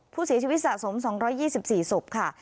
ผู้เสียชีวิตสะสม๒๒๔ศพค่ะ